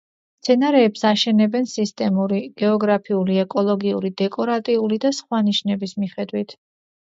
მცენარეებს აშენებენ სისტემატური, გეოგრაფიული, ეკოლოგიური, დეკორატიული და სხვა ნიშნების მიხედვით.